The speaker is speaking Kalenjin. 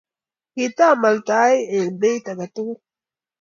kitamaltaoi eng beit age tugul.